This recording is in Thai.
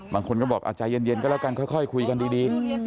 บางคนก็บอกใจเย็นก็แล้วกันค่อยคุยกันดี